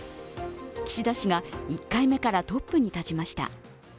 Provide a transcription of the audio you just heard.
岸田氏が１回目からトップに立ちました。